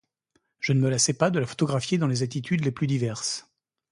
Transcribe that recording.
je ne me lassais pas de la photographier dans les attitudes les plus diverses